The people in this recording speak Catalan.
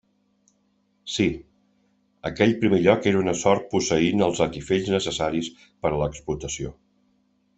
Sí; aquell primer lloc era una sort posseint els atifells necessaris per a l'explotació.